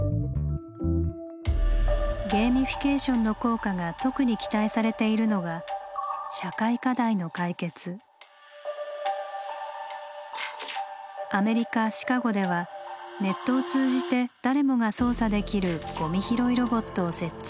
ゲーミフィケーションの効果が特に期待されているのがアメリカ・シカゴではネットを通じて誰もが操作できるゴミ拾いロボットを設置。